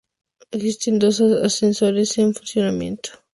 Existen dos ascensores en funcionamiento.